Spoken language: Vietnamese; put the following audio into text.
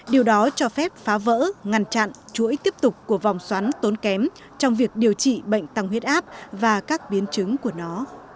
điều đó cho phép phá vỡ ngăn chặn chuỗi tiếp tục của vòng xoắn tốn kém trong việc điều trị bệnh tăng huyết áp và các biến chứng của nó